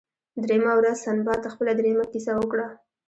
دریمه ورځ سنباد خپله دریمه کیسه وکړه.